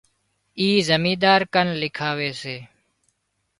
اِي زمينۮار ڪن لکاوي سي